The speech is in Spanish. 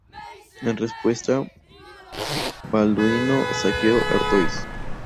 En respuesta, Balduino saqueó Artois.